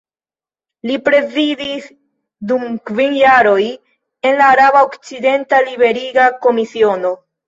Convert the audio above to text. Li prezidis dum kvin jaroj en la Araba Okcidenta Liberiga Komisiono.